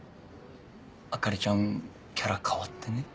朱里ちゃんキャラ変わってね？